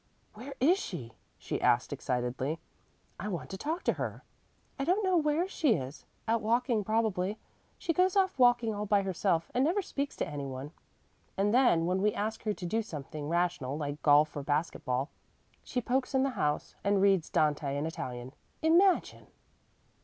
"Where is she?" she asked excitedly. "I want to talk to her." "I don't know where she is. Out walking, probably. She goes off walking all by herself, and never speaks to any one, and then when we ask her to do something rational, like golf or basket ball, she pokes in the house and reads Dante in Italian. Imagine!"